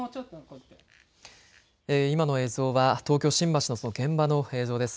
今の映像は東京新橋のその現場の映像です。